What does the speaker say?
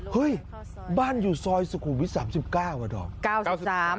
เฮ้ยบ้านอยู่ซอยสุขุมวิท๓๙อ่ะดอม